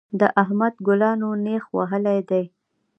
د احمد ګلانو نېښ وهلی دی.